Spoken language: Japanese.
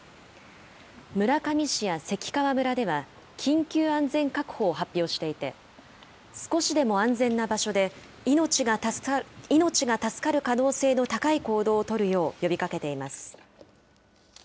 村上市や関川村では、緊急安全確保を発表していて、少しでも安全な場所で、命が助かる可能性の高い行動を取るよう呼びかけています。